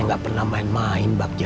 nggak pernah main main bagja